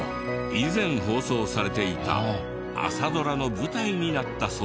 以前放送されていた朝ドラの舞台になったそうで。